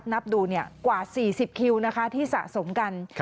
นับดูกว่า๔๐คิวนะคะที่สะสมกัน